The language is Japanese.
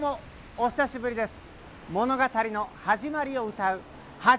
お久しぶりです。